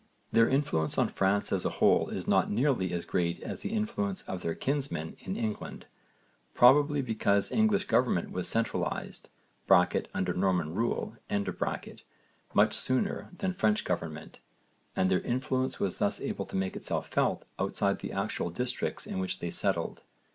Their influence on France as a whole is not nearly as great as the influence of their kinsmen in England, probably because English government was centralised (under Norman rule) much sooner than French government, and their influence was thus able to make itself felt outside the actual districts in which they settled.